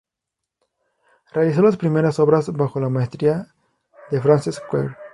Realizó las primeras obras bajo la maestría de Francesc Quer.